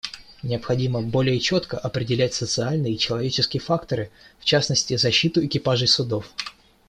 Необходимо более четко определять социальный и человеческий факторы, в частности, защиту экипажей судов.